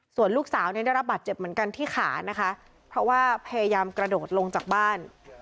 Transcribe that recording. ส่วนลูกสาวเนี่ยได้รับบาดเจ็บเหมือนกันที่ขานะคะเพราะว่าพยายามกระโดดลงจากบ้าน